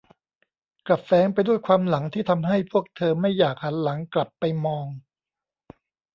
กลับแฝงไปด้วยความหลังที่ทำให้พวกเธอไม่อยากหันหลังกลับไปมอง